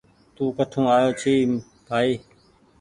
توڪٺون آيو ڇي بهائي